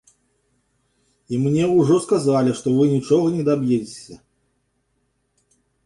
І мне ўжо сказалі, што вы нічога не даб'ецеся.